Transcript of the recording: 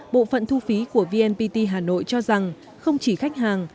bộ phận thu phí của vnpt hà nội cho rằng không chỉ khách hàng